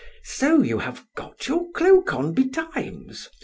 ——so you have got your cloak on betimes!